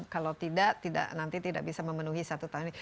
kalau tidak tidak nanti tidak bisa memenuhi satu tahun ini